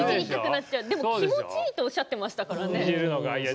気持ちいいとおっしゃっていましたからね。